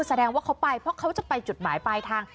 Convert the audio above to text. แสดงว่าเขาไปเพราะเขาจะไปจุดหมายปลายทาง